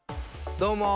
どうも！